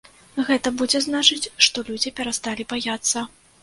Гэта будзе значыць, што людзі перасталі баяцца.